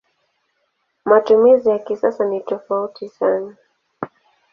Matumizi ya kisasa ni tofauti sana.